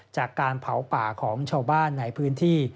จากการเผาป่าของชาวบ้านในพื้นที่